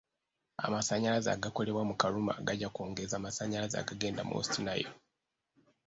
Amasanyalaze agakolebwa mu Karuma gajja kwongeza amasanyalaze agagenda mu West Nile.